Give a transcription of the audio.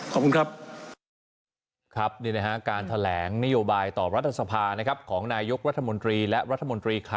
ขอบคุณครับ